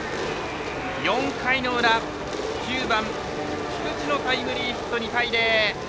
４回の裏菊池のタイムリーヒット２対０。